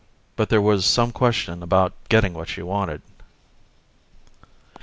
but there was some question about getting what she wanted.